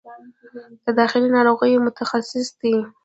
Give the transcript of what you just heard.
د داخله ناروغیو متخصص دی